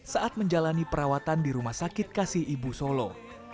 saat menjalani perawatan di rumah sakit kasih ibu solo